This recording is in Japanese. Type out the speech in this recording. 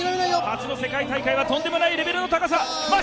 初の世界大会はとんでもないレベルの高さ！